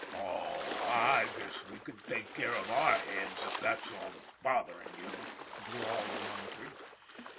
" Oh, I guess we can take care of our heads, if that's all that bothers you," drawled Munford.